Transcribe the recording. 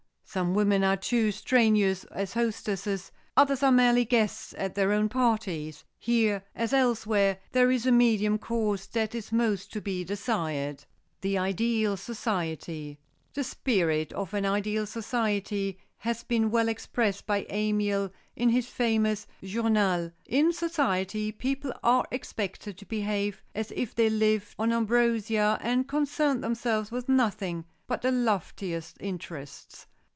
Some women are too strenuous as hostesses, others are merely guests at their own parties. Here as elsewhere there is a medium course that is most to be desired. [Sidenote: THE IDEAL SOCIETY] The spirit of an ideal society has been well expressed by Amiel in his famous Journal: "In society people are expected to behave as if they lived on ambrosia and concerned themselves with nothing but the loftiest interests.